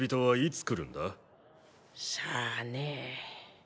さあねえ。